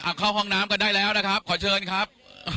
เอาเข้าห้องน้ำกันได้แล้วนะครับขอเชิญครับ